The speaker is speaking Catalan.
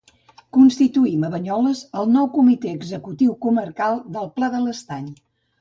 Constituïm a Banyoles el nou Comitè Executiu Comarcal del Pla de l'Estany